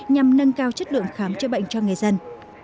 nhằm nâng cao chất lượng khám chữa bệnh cho người dân